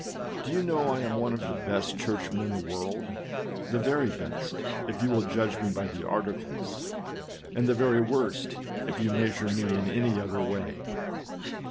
Do you know I am one of the best church men in the world ; the very best, if you will judge me by the articles, and the very worst, if you measure me in any other way.